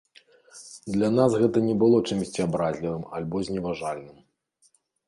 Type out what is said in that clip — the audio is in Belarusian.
Для нас гэта не было чымсьці абразлівым або зневажальным.